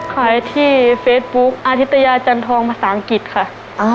ขายที่เฟซบุ๊กอาธิตยาจันทองภาษาอังกฤษค่ะ